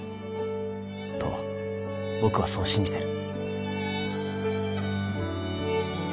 と僕はそう信じてる。